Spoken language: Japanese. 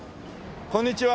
こんにちは。